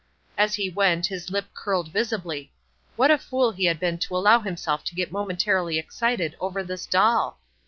As he went, his lip curled visibly. What a fool he had been to allow himself to get momentarily excited over this doll!